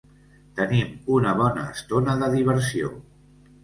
Tenim una bona estona de diversió.